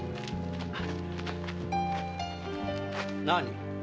何？